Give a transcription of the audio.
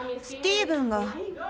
スティーブンが。